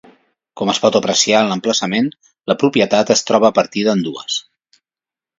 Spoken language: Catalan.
Com es pot apreciar en l'emplaçament, la propietat es troba partida en dues.